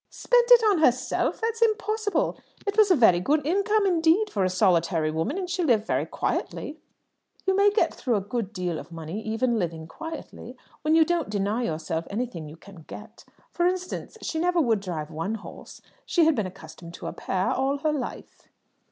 "Spent it on herself? That's impossible! It was a very good income indeed for a solitary woman, and she lived very quietly." "You may get through a good deal of money even living quietly, when you don't deny yourself anything you can get. For instance, she never would drive one horse; she had been accustomed to a pair all her life."